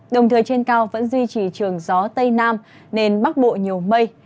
đồng thời trên cao vẫn duy trì trường gió tây nam nên bắc bộ nhiều mây